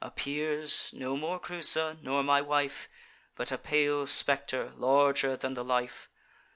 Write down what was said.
Appears, no more Creusa, nor my wife, But a pale spectre, larger than the life.